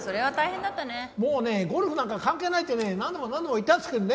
もうねゴルフなんか関係ないってね何度も何度も言ったんですけどね！